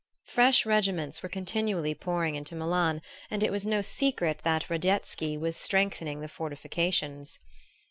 Fresh regiments were continually pouring into Milan and it was no secret that Radetsky was strengthening the fortifications.